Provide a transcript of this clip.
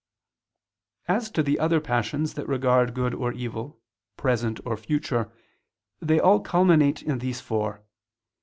As to the other passions that regard good or evil, present or future, they all culminate in these four.